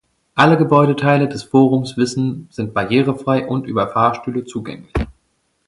Alle Gebäudeteile des Forums Wissen sind barrierefrei und über Fahrstühle zugänglich.